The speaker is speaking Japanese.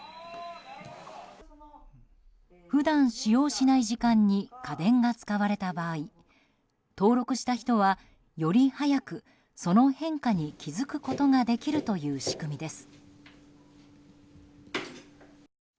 普段使用しない時間に家電が使われた場合登録した人はより早くその変化に気づくことができるという仕組みです。